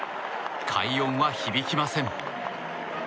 快音は響きません。